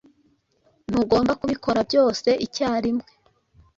Ntugomba kubikora byose icyarimwe